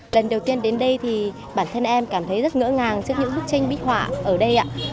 lần đầu tiên đến đây thì bản thân em cảm thấy rất ngỡ ngàng trước những bức tranh bích họa ở đây ạ